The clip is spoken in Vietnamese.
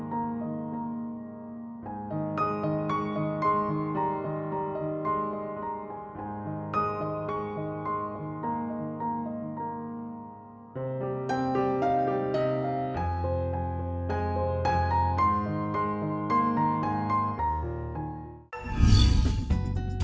hẹn gặp lại